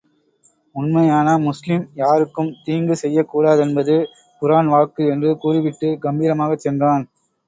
உண்மையான முஸ்லிம் யாருக்கும் தீங்கு செய்யக் கூடாதென்பது குரான் வாக்கு என்று கூறிவிட்டுக் கம்பீரமாகச் சென்றான்.